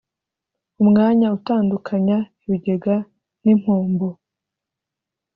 Umwanya utandukanya ibigega n’impombo